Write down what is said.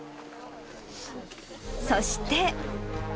そして。